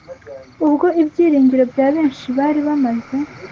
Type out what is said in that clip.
ubwo ibyiringiro bya benshi bari bamaze